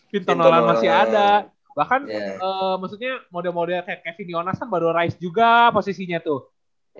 pinto nolan masih ada bahkan maksudnya model model kayak kevin yonatan baru rise juga posisi itu juga